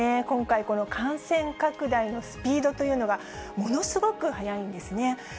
今回、この感染拡大のスピードというのがものすごく速いんですね。